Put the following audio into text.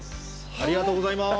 ありがとうございます。